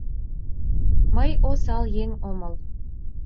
Мый осал еҥ омыл.